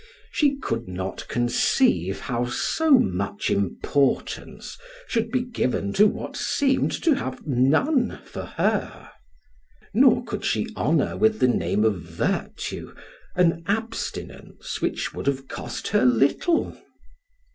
She could not conceive how so much importance should be given to what seemed to have none for her; nor could she honor with the name of virtue, an abstinence which would have cost her little.